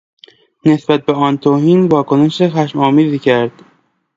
نسبت به آن توهین واکنش خشمآمیزی کرد.